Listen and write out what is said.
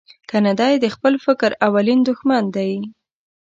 کنه دای د خپل فکر اولین دوښمن دی.